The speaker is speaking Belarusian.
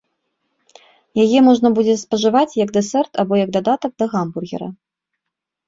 Яе можна будзе спажываць як дэсерт або як дадатак да гамбургера.